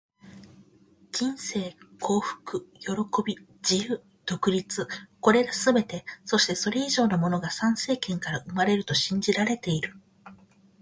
人生、幸福、喜び、自由、独立――これらすべて、そしてそれ以上のものが参政権から生まれると信じられている。